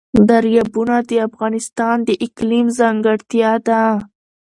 دریابونه د افغانستان د اقلیم ځانګړتیا ده.